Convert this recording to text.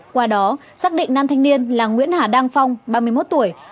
qua đó xác định nam thanh niên là nguyễn hà đăng phong ba mươi một tuổi